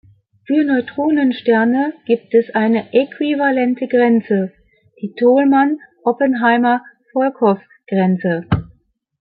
Für Neutronensterne gibt es eine äquivalente Grenze, die Tolman-Oppenheimer-Volkoff-Grenze.